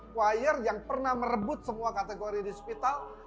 kiwayir yang pernah merebut semua kategori di spital adalah mcuc